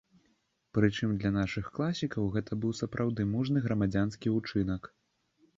Прычым для нашых класікаў гэта быў сапраўды мужны грамадзянскі ўчынак.